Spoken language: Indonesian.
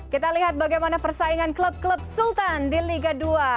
kita lihat bagaimana persaingan klub klub sultan di liga dua